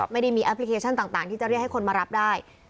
ไม่ได้มีแอปพลิเคชันต่างที่จะเรียกให้คนมารับได้